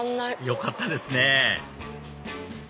よかったですね